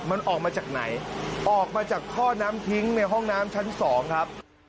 มันออกมาจากไหนออกมาจากท่อน้ำทิ้งในห้องน้ำชั้นสองครับ